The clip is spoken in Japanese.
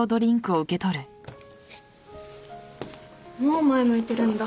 もう前向いてるんだ。